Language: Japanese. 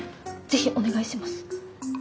是非お願いします。